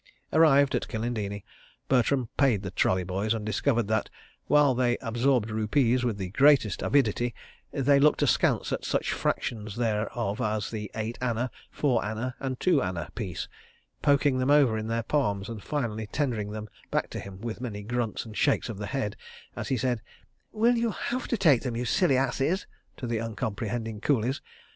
Arrived at Kilindini, Bertram paid the trolley boys and discovered that, while they absorbed rupees with the greatest avidity, they looked askance at such fractions thereof as the eight anna, four anna, and two anna piece, poking them over in their palms and finally tendering them back to him with many grunts and shakes of the head as he said: "Well, you'll have to take them, you silly asses," to the uncomprehending coolies.